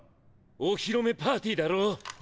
お披露目パーティーだろ？